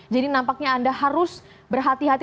jadi nampaknya anda harus berhati hati